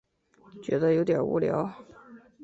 觉得有点无聊